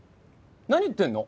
何言ってんの？